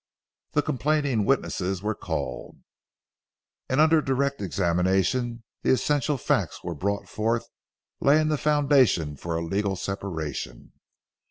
The complaining witnesses were called, and under direct examination the essential facts were brought forth, laying the foundation for a legal separation.